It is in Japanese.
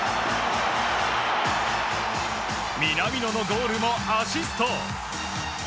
南野のゴールもアシスト。